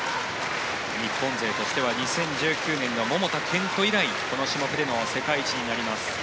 日本勢としては２０１９年の桃田賢斗以来この種目での世界一になります。